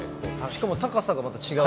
しかも高さがまた違う。